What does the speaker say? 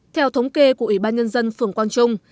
theo thống kê của ủy ban nhân dân phường quang trung